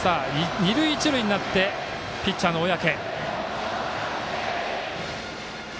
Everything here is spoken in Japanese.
二塁一塁になってピッチャーの小宅。